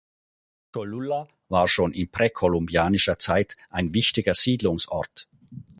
Cholula war schon in präkolumbischer Zeit ein wichtiger Siedlungsort.